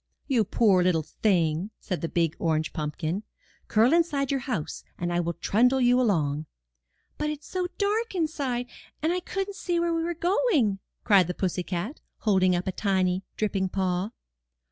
''You poor little thing/' said the big orange pump kin; ''curl inside your house and I will trundle you along." "But it's so dark inside, and I couldn't see where we were going," cried the pussy cat, holding up a tiny, dripping paw.